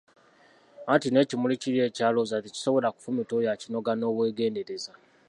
Anti n'ekimuli kiri ekya Looza tekisobola kufumita oyo akinoga n'obwegendereza!